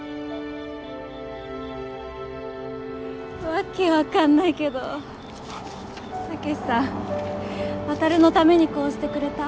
訳分かんないけどタケシさんワタルのためにこうしてくれた。